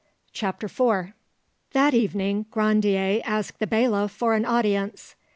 CHAPTER IV That evening Grandier asked the bailiff for an audience.